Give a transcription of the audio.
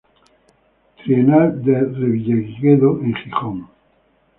Trienal de Revillagigedo en Gijón.